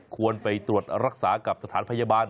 ควรไปตรวจรักษากับสถานพยาบาล